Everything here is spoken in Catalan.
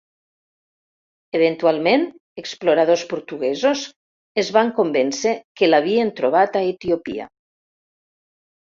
Eventualment, exploradors portuguesos es van convèncer que l'havien trobat a Etiòpia.